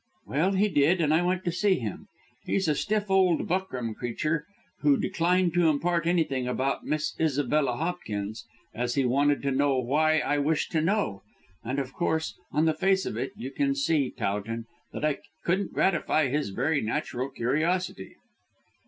"Well, he did, and I went to see him. He's a stiff old buckram creature, who declined to impart anything about Miss Isabella Hopkins as he wanted to know why I wished to know; and, of course, on the face of it, you can see, Towton, that I couldn't gratify his very natural curiosity."